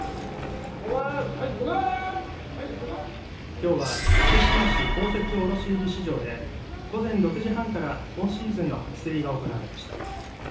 きょうは福島市公設卸売市場で午前６時半から今シーズンの初競りが行われました。